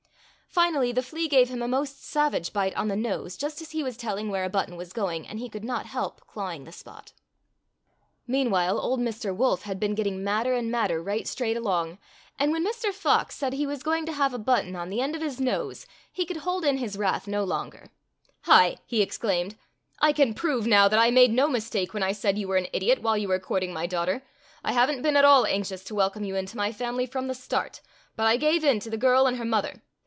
Finally the flea gave him a most savage bite on the nose just as he was telling where a button was going, and he could not help clawing the spot. MR. WOLF GETS ANGRY AT MR. FOX V. f •(' i I V t « 4 ' i I f r* / 1 f « I 1 4 s f It i t «»'> ■J ]' i 19 Fairy Tale Foxes Meanwhile old Mr. Wolf had been getting madder and madder right straight along, and when Mr. Fox said he was going to have a button on the end of his nose he could hold in his wrath no longer. "Hi!" he exclaimed, "I can prove now that I made no mistake when I said you were an idiot while you were courting my daughter. I have n't been at all anxious to welcome you into my family from the start. But I gave in to the girl and her mother.